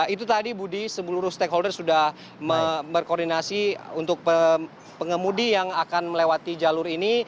itu tadi budi seluruh stakeholder sudah berkoordinasi untuk pengemudi yang akan melewati jalur ini